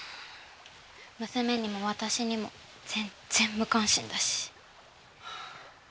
娘にも私にも全然無関心だし。